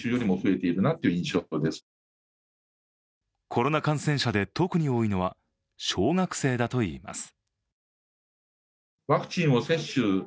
コロナ感染者で特に多いのは小学生だといいます。